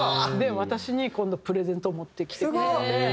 私に今度プレゼントを持ってきてくれて。